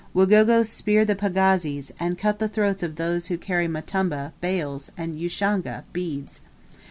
Wagogo spear the pagazis, and cut the throats of those who carry mutumba (bales) and ushanga (beads)!